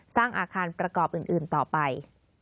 สร้างอาคารประกอบอื่นต่อไป